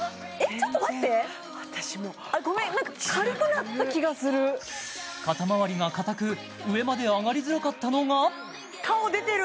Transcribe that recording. ちょっと待って私も違うあっごめん軽くなった気がする肩まわりがかたく上まで上がりづらかったのが顔出てる！